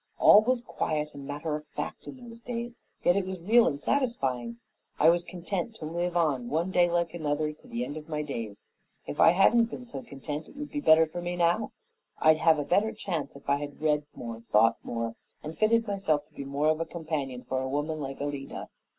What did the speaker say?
All was quiet and matter of fact in those days, yet it was real and satisfying. I was content to live on, one day like another, to the end of my days. If I hadn't been so content it would be better for me now. I'd have a better chance if I had read more, thought more, and fitted myself to be more of a companion for a woman like Alida.